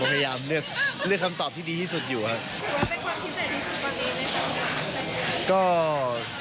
ผมพยายามเลือกคำตอบที่ดีที่สุดอยู่ครับ